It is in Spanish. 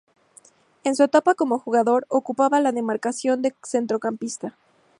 En su etapa como jugador, ocupaba la demarcación de centrocampista.